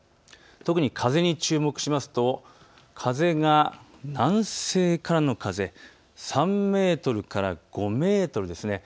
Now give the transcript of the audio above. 特に風に注目しますと、風が南西からの風、３メートルから５メートルです。